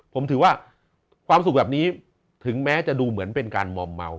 ผมถือว่าความสุขแบบนี้ถึงแม้จะดูเหมือนเป็นการมอมเมา